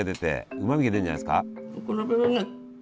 うまみが出るんじゃないですか？